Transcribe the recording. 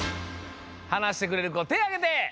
はなしてくれるこてあげて！